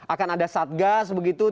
akan ada satgas begitu